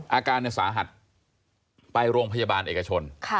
อาการสาหัสไปโรงพยาบาลเอกชน